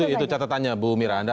itu catatannya bu miranda